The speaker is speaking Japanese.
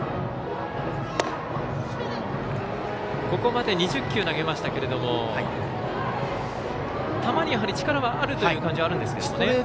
ここまで２０球投げましたけれども球にやはり力があるという感じはあるんですけどね。